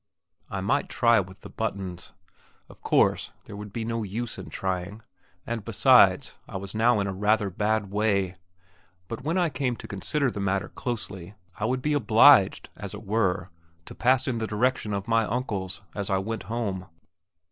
I might try with the buttons. Of course there would be no use in trying; and besides, I was now in a rather bad way; but when I came to consider the matter closely, I would be obliged, as it were, to pass in the direction of my "Uncle's" as I went home.